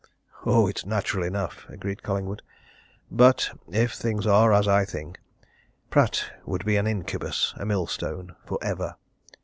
"Oh, it's natural enough!" agreed Collingwood. "But if things are as I think, Pratt would be an incubus, a mill stone, for ever.